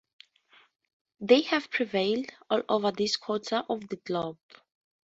They have prevailed all over this quarter of the globe.